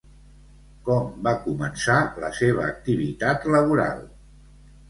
Com va començar la seva activitat laboral?